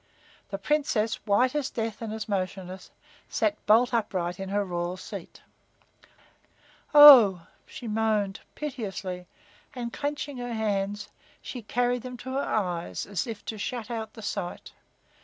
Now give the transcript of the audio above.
The Princess, white as death and as motionless, sat bolt upright in her royal seat. "Oh!" she moaned, piteously, and, clenching her hands, she carried them to her eyes as if to shut out the sight.